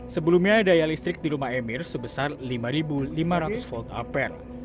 sebelumnya daya listrik di rumah emir sebesar lima lima ratus volt ampere